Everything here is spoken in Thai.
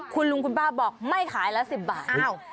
คู่หลุงข้าบอกไม่ขายละ๑๐บาท